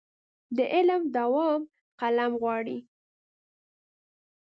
د علم دوام قلم غواړي.